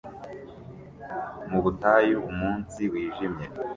Mu butayu umunsi wijimye